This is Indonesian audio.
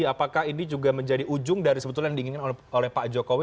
apakah ini juga menjadi ujung dari sebetulnya yang diinginkan oleh pak jokowi